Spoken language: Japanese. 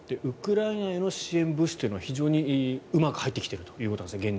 ウクライナへの支援物資というのは非常にうまく入ってきているということなんですか。